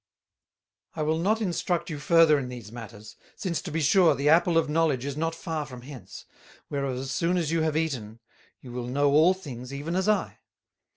"I will not instruct you further in these matters, since to be sure the Apple of Knowledge is not far from hence; whereof as soon as you have eaten, you will know all things even as I.